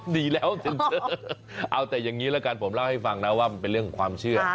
ดีแล้วเอาแต่อย่างนี้ละกันผมเล่าให้ฟังนะว่ามันเป็นเรื่องความเชื่อ